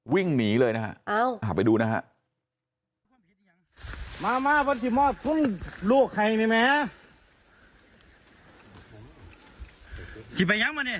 วิ่งหนีเลยนะฮะไปดูนะฮะ